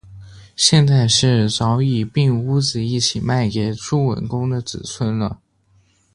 现在是早已并屋子一起卖给朱文公的子孙了